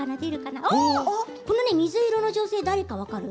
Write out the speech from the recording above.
この水色の女性、誰か分かる？